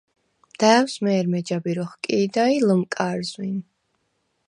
და̄̈ვს მე̄რმე ჯაბირ ოხკი̄და ი ლჷმკა̄რზვინ.